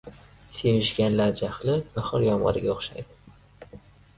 • Sevishganlar jahli bahor yomg‘iriga o‘xshaydi.